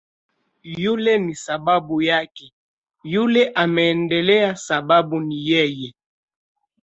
"Yule ni sababu yake, yule ameendelea sababu ni yeye"